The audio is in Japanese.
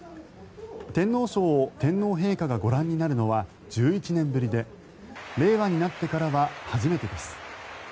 天皇賞を天皇陛下がご覧になるのは１１年ぶりで令和になってからは初めてです。